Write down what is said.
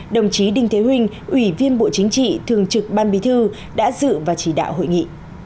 đồng chí đinh thế huệ ủy viên bộ chính trị thường trực ban bí thư đã dự và chỉ đạo hội nghị